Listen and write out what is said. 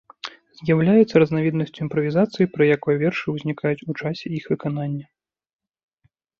З'яўляецца разнавіднасцю імправізацыі, пры якой вершы ўзнікаюць у часе іх выканання.